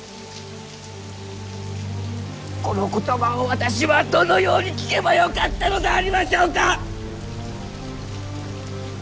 この言葉を私はどのように聞けばよかったのでありましょうか！